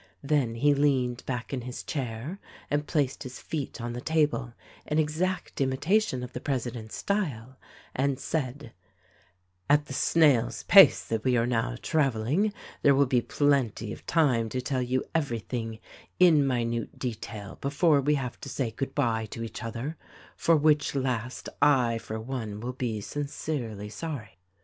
Then he leaned back in his chair and placed his feet on the table, in exact imitation of the president's style, and said: "At the snail's pace that we are now traveling there will be plenty of time to tell you everything in minute detail before we have to say good bye to each other — for which last, I for one will be sincerely sorry."